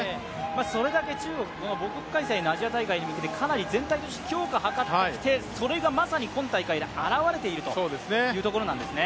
それだけ中国、母国開催のアジア大会に向けてかなり全体として強化を図ってきて今大会で表れてるということなんですね。